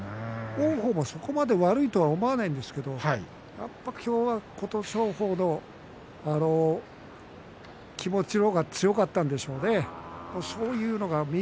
王鵬もそこまで悪いと思わないんですが、全く今日は琴勝峰の気持ちの方が強かったんでしょうね。